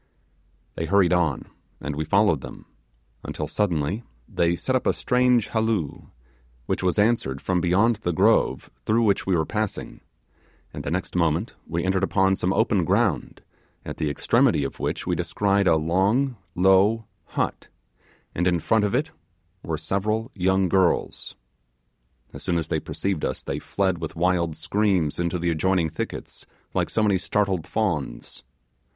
They hurried on, and we followed them; until suddenly they set up a strange halloo, which was answered from beyond the grove through which we were passing, and the next moment we entered upon some open ground, at the extremity of which we descried a long, low hut, and in front of it were several young girls. As soon as they perceived us they fled with wild screams into the adjoining thickets, like so many startled fawns.